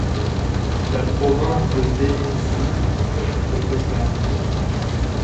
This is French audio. La province de Denizli compte au total.